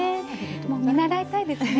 もう見習いたいですね。